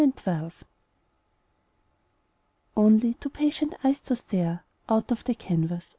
FADED PICTURES Only two patient eyes to stare Out of the canvas.